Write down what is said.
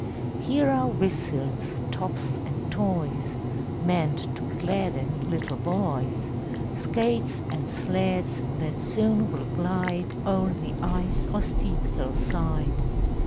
Here are whistles, tops and toys, Meant to gladden little boys; Skates and sleds that soon will glide O'er the ice or steep hill side.